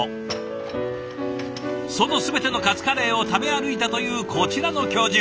その全てのカツカレーを食べ歩いたというこちらの教授。